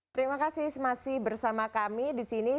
terima kasih masih bersama kami di sini